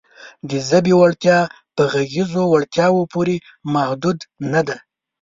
د ژبې امتیاز په غږیزو وړتیاوو پورې محدود نهدی.